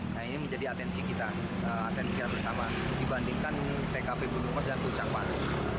nah ini menjadi atensi kita atensi kita bersama dibandingkan tkp gunung mas dan puncak pas